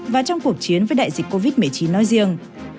và trong cuộc chiến với đại dịch covid một mươi chín nói riêng